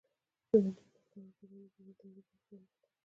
په میلیونونو کارګران د بېوزلۍ له ګواښ سره مخ دي